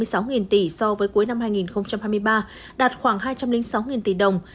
so với cuối năm hai nghìn hai mươi ba đạt khoảng hai trăm linh sáu tỷ đồng